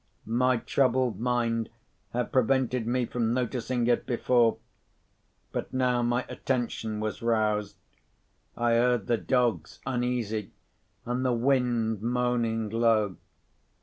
My troubled mind had prevented me from noticing it before. But, now my attention was roused, I heard the dogs uneasy, and the wind moaning low.